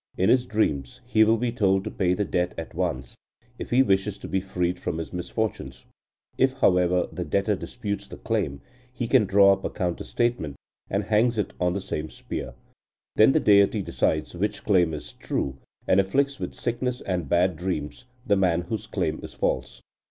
In his dreams he will be told to pay the debt at once, if he wishes to be freed from his misfortunes. If, however, the debtor disputes the claim, he draws up a counter statement, and hangs it on the same spear. Then the deity decides which claim is true, and afflicts with sickness and bad dreams the man whose claim is false.